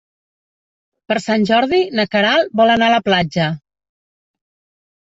Per Sant Jordi na Queralt vol anar a la platja.